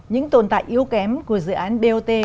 những tồn tại yếu kém của dự án dot